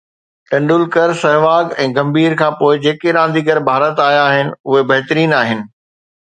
ٽنڊولڪر، سهواگ ۽ گمڀير کان پوءِ جيڪي رانديگر ڀارت آيا آهن اهي بهترين آهن